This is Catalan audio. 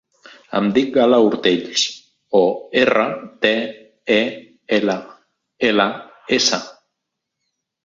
Em dic Gala Ortells: o, erra, te, e, ela, ela, essa.